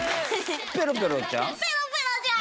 ペロペロちゃん？